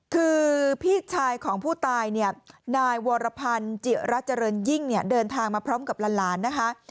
คือพี่ชายของผู้ตายนายวรพันธ์จิระจริงยิ่งเดินทางมาพร้อมกับหลาน